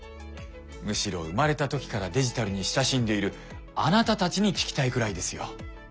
むしろ生まれた時からデジタルに親しんでいるあなたたちに聞きたいくらいですよ。